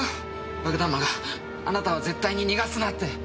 爆弾魔があなたは絶対に逃がすなって。